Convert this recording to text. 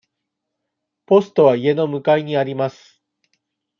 ポストは家の向かいにあります。